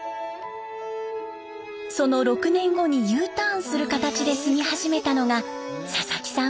その６年後にＵターンする形で住み始めたのが佐々木さん